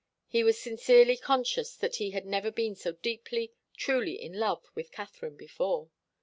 He was sincerely conscious that he had never been so deeply, truly in love with Katharine before.